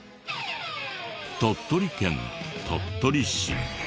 鳥取県鳥取市。